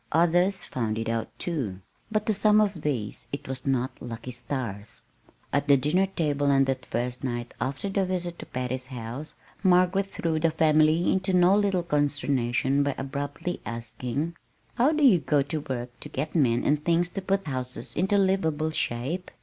Others found it out, too; but to some of these it was not "lucky" stars. At the dinner table on that first night after the visit to Patty's house, Margaret threw the family into no little consternation by abruptly asking: "How do you go to work to get men and things to put houses into livable shape?...